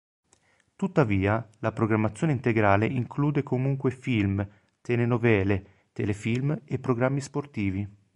Tuttavia la programmazione integrale include comunque film, telenovele, telefilm e programmi sportivi.